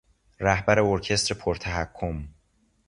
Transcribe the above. رهبر ارکستر پر تحکم